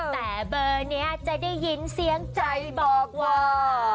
แต่เบอร์นี้จะได้ยินเสียงใจบอกว่า